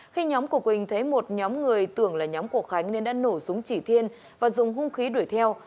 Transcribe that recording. khi nhóm của quỳnh thấy một nhóm người tưởng là nhóm của khánh nên đã nổ súng chỉ thiên và dùng hung khí đuổi theo